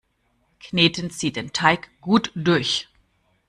Kneten Sie den Teig gut durch!